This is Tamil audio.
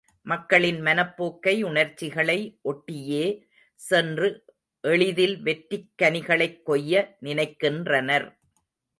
மக்களின் மனப்போக்கை உணர்ச்சிகளை ஒட்டியே சென்று எளிதில் வெற்றிக் கனிகளைக் கொய்ய நினைக்கின்றனர்.